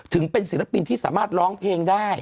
ถึงเป็นศิลปินที่สามารถร้องเพลงได้